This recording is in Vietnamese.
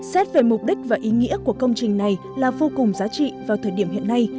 xét về mục đích và ý nghĩa của công trình này là vô cùng giá trị vào thời điểm hiện nay